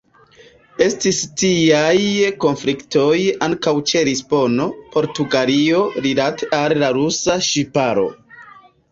Estis tiaj konfliktoj ankaŭ ĉe Lisbono, Portugalio, rilate al la rusa ŝiparo.